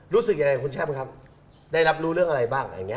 รู้สึกยังไงครับคุณแช่มครับได้รับรู้เรื่องอะไรบ้าง